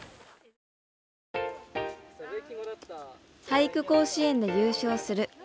「俳句甲子園」で優勝する。